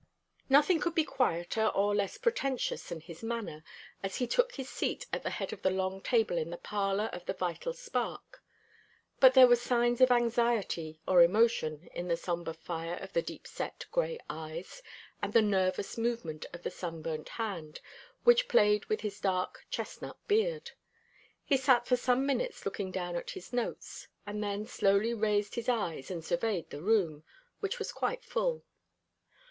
Nothing could be quieter or less pretentious than his manner as he took his seat at the head of the long table in the parlour of the Vital Spark; but there were signs of anxiety or emotion in the sombre fire of the deep set gray eyes, and the nervous movement of the sun burnt hand, which played with his dark chestnut beard. He sat for some minutes looking down at his notes, and then slowly raised his eyes and surveyed the room, which was quite full.